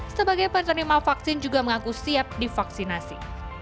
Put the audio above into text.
sebagai penerima vaksin juga mengaku siap divaksinasi